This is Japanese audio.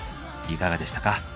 いかがでしたか？